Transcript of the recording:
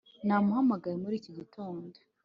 Namuhamagaye muri iki gitondo